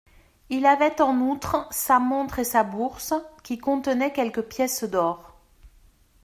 Il avait en outre sa montre et sa bourse, qui contenait quelques pièces d'or.